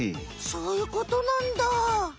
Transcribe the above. そういうことなんだ！